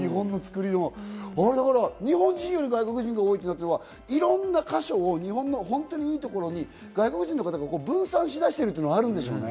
かやぶき屋根の合掌造りの日本の作りを日本人より外国人が多いというのはいろんな箇所を日本のいいところに外国人の方が分散し出しているっていうのはあるだろうね。